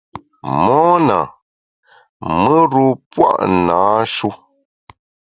Mona, mùr-u pua’ nâ-shu.